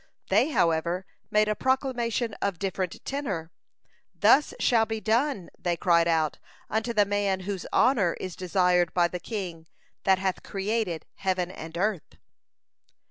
They, however, made a proclamation of different tenor. "Thus shall be done," they cried out, "unto the man whose honor is desired by the King that hath created heaven and earth."